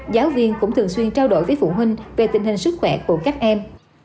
giáo viên cũng thường xuyên trao đổi với phụ huynh về tình hình sức khỏe của các em